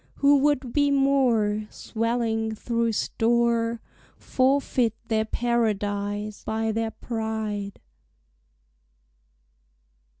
Who would be more, Swelling through store, Forfeit their paradise by their pride.